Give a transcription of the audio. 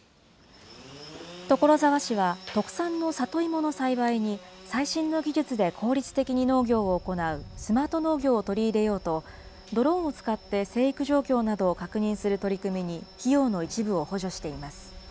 所沢市は特産の里芋の栽培に、最新の技術で効率的に農業を行うスマート農業を取り入れようと、ドローンを使って生育状況などを確認する取り組みに費用の一部を補助しています。